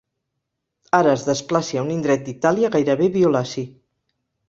Ara es desplaci a un indret d'Itàlia gairebé violaci.